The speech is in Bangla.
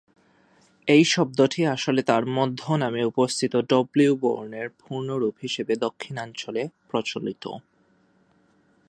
এই শব্দটি আসলে তার মধ্য নামে উপস্থিত ডব্লিউ বর্ণের পূর্ণ রূপ হিসেবে দক্ষিণাঞ্চলে প্রচলিত।